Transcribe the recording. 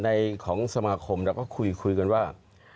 ของสมาคมเราก็คุยกันว่า